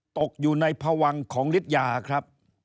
ตกอยู่ในพวังของฤทยาครับ